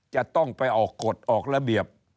จะต้องไปออกกฎออกระเบียบ